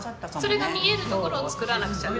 それが見えるところを作らなくちゃ。